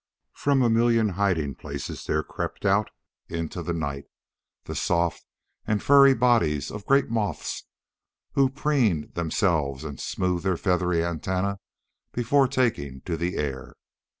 From a million hiding places there crept out into the night the soft and furry bodies of great moths who preened themselves and smoothed their feathery antennae before taking to the air.